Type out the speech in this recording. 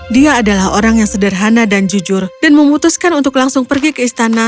dia adalah orang yang sederhana dan jujur dan memutuskan untuk langsung pergi ke istana